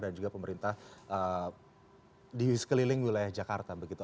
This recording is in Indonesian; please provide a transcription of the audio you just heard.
dan juga pemerintah di sekeliling wilayah jakarta begitu